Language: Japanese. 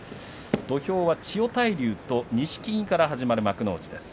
土俵は千代大龍と錦木から始まる幕内です。